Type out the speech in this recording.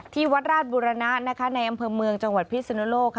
ที่วัดราชบุรณะในอำเภอเมืองจังหวัดพิศนุโลก